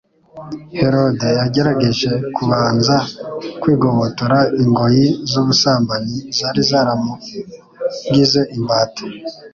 Herode yagerageje kubanza kwigobotora ingoyi z'ubusambanyi zari zaramugize imbata,